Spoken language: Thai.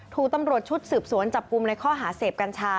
ถูกตำรวจชุดสืบสวนจับกลุ่มในข้อหาเสพกัญชา